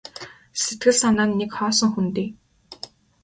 Сэтгэл санаа нь нэг хоосон хөндий.